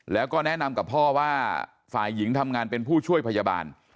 แล้วก็แนะนำกับพ่อว่าฝ่ายหญิงทำงานเป็นผู้ช่วยพยาบาล